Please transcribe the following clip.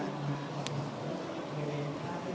ขอบคุณครับ